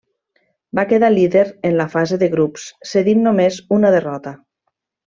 Va quedar líder en la fase de grups, cedint només una derrota.